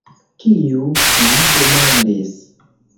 Kiu?“ mi demandis.